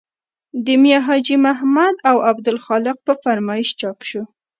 د میا حاجي محمد او عبدالخالق په فرمایش چاپ شو.